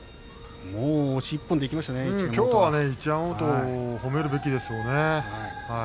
きょうは一山本を褒めるだけですよね。